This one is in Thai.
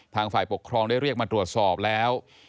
ฝ่ายปกครองได้เรียกมาตรวจสอบแล้ว